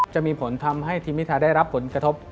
จะมีผลทำให้ทีมพิทาได้รับผลกระทบ